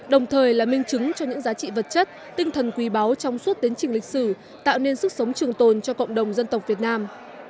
đồng thời là minh chứng cho những giá trị vật chất tinh thần quý báu trong suốt tiến trình lịch sử tạo nên sức sống trường tồn cho cộng đồng dân tộc việt nam